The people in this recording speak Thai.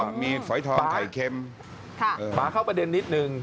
อ่าแล้วก็มีฝอยทองไข่เค็มค่ะป๊าเข้าประเด็นนิดหนึ่ง